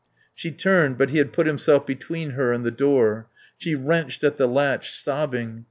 She turned, but he had put himself between her and the door. She wrenched at the latch, sobbing.